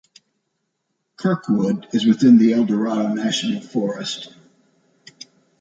Kirkwood is within the Eldorado National Forest.